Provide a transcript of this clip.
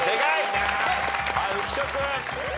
はい浮所君。